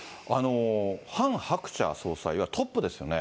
ハン・ハクチャ総裁はトップですよね。